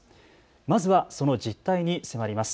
まずはその実態に迫ります。